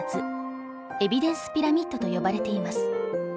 「エビデンスピラミッド」と呼ばれています。